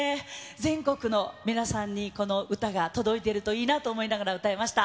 全国の皆さんにこの歌が届いているといいなと思いながら歌いました。